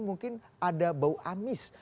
mungkin ada bau amis